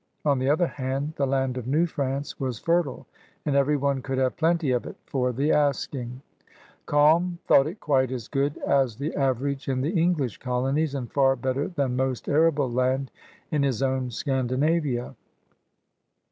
On the other hand, the land of New France was fertile, and every one could have plenty of it for the asking. Kalm thought it quite as good as the 186 CRUSADERS OF NEW FRANCE average in the English colonies and far bettor than most arable land in his own Scandinavia.